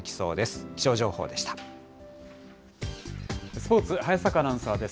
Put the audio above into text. スポーツ、早坂アナウンサーです。